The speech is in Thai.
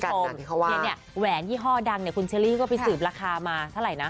เรียนเนี่ยกานแหวนยี่ห้อดังก็ไปสืบราคามาเท่าไหร่นะ